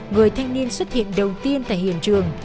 người thanh niên xuất hiện đầu tiên tại hiện trường